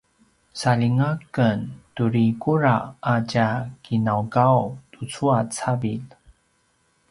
saljinga aken turi kudral a tja ginaugaw tucu a cavilj